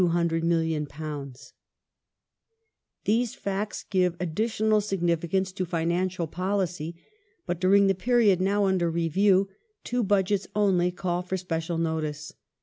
^ These facts give additional significance to financial policy, but during the period now under review two Budgets only call for special notice.